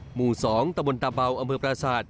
หมู่๒ตมตาเบาอำเมอประสาท